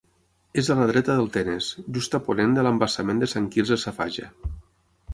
És a la dreta del Tenes, just a ponent de l'Embassament de Sant Quirze Safaja.